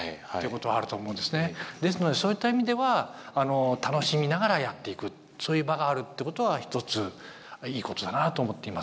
ですのでそういった意味では楽しみながらやっていくそういう場があるってことは一ついいことだなあと思っています。